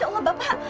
ya allah bapak